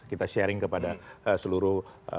kita sharing kepada seluruh